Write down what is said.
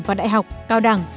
vào đại học cao đẳng